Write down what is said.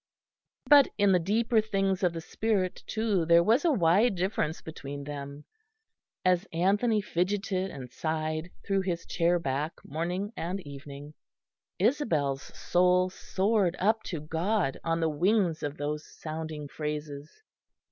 But in the deeper things of the spirit, too, there was a wide difference between them. As Anthony fidgeted and sighed through his chair back morning and evening, Isabel's soul soared up to God on the wings of those sounding phrases.